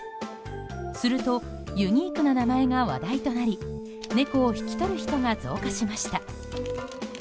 すると、ユニークな名前が話題となり猫を引き取る人が増加しました。